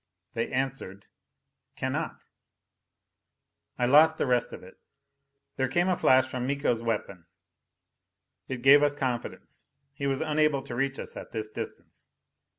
They answered, Cannot I lost the rest of it. There came a flash from Miko's weapon. It gave us confidence: he was unable to reach us at this distance.